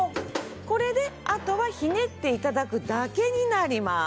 これであとはひねって頂くだけになります。